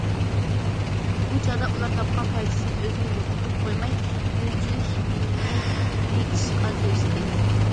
بۇ چاغدا ئۇلار تاپقان پايدىسىدىن ئۆزىنى يوقىتىپ قويماي، گۈلچىلىك بىلىمىنى بېيىتىشقا تىرىشتى.